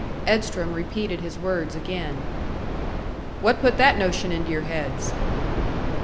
Edstrom repeated his words again. "What put that notion into your heads?"